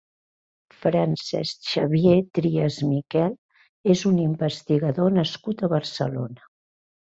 Francesc Xavier Trias Miquel és un investigador nascut a Barcelona.